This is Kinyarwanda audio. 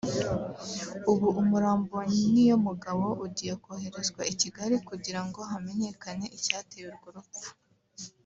ubu umurambo wa Niyomugabo ugiye koherezwa i Kigali kugirango hamenyekane icyateye urwo rupfu